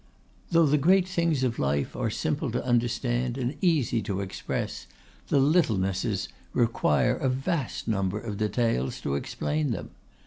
Though the great things of life are simple to understand and easy to express, the littlenesses require a vast number of details to explain them.